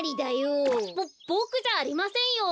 ボボクじゃありませんよ！